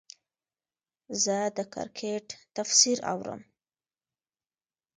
زه د کرکټ تفسیر اورم.